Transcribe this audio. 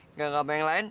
nggak sama yang lain